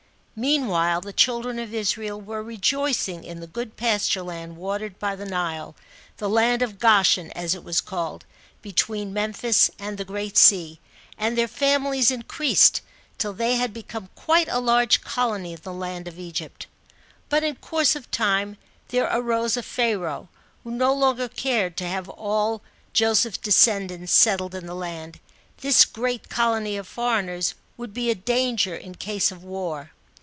Meanwhile the children of Israel were rejoicing in the good pasture land watered by the Nile, the land of Goshen as it was called, between Memphis and the Great Sea, and their families increased, ti]l they had become quite a large colony in the land of Egypt. But in course of time there arose a Pharaoh, who no longer cared to have all Joseph's descendants settled in the land ; this great colony of foreigners would be a danger in case of war.